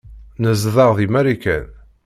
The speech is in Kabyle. Nezdeɣ deg Marikan.